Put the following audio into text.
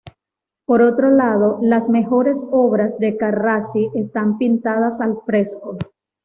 Por otro lado, las mejores obras de Carracci están pintadas al fresco.